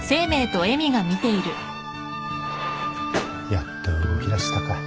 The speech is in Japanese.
やっと動きだしたか。